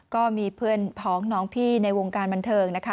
ก็มีเพื่อนพ้องน้องพี่ในวงการบันเทิงนะคะ